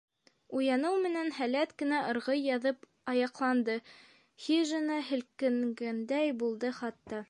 Уяныу менән һәләт кенә ырғый яҙып аяҡланды, хижина һелкенгәндәй булды хатта.